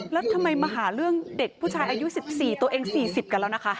แล้วทำไมมาหาเรื่องเด็กผู้ชายอายุ๑๔ตัวเอง๔๐กันแล้วนะคะ